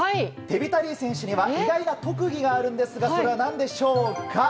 テビタ・リー選手には意外な特技があるんですがそれは何でしょうか？